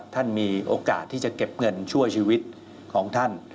ท่านมีโอกาสที่จะเก็บเงินช่วยชีวิตของท่าน